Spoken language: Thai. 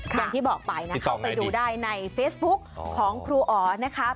อย่างที่บอกไปนะคะไปดูได้ในเฟซบุ๊กของครูอ๋อนะคะ